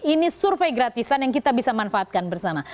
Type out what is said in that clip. ini survei gratisan yang kita bisa manfaatkan bersama